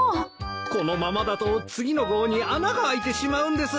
このままだと次の号に穴があいてしまうんです！